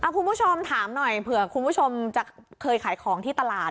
คุณผู้ชมถามหน่อยเผื่อคุณผู้ชมจะเคยขายของที่ตลาด